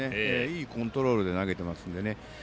いいコントロールで投げてますんでね。